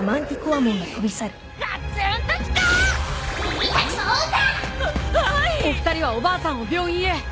お二人はおばあさんを病院へ。